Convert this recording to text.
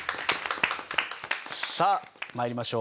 さあ参りましょう。